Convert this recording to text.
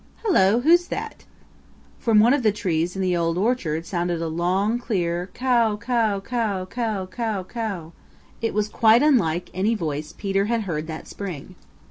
Hello! Who's that?" From one of the trees in the Old Orchard sounded a long, clear, "Kow kow kow kow kow kow!" It was quite unlike any voice Peter had heard that spring.